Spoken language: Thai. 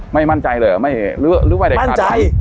ไม่มั่นใจเลยเหรอรู้ไว้ไหน